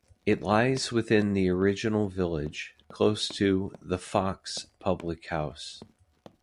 It lies within the original village, close to "the Fox" public house.